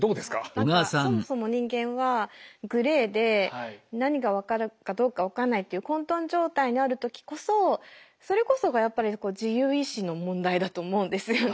何かそもそも人間はグレーで何が分かるかどうか分かんないっていうそれこそがやっぱり自由意志の問題だと思うんですよね。